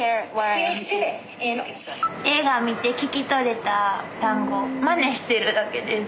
映画見て聞き取れた単語マネしてるだけです。